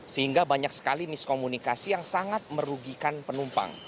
sehingga banyak sekali miskomunikasi yang sangat merugikan penumpang